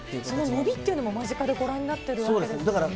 そののびっていうのを間近でご覧になってるわけですよね。